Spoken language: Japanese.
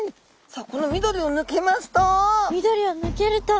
さあこの緑を抜けますと。